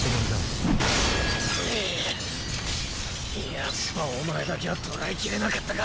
やっぱお前だけは捕らえきれなかったか。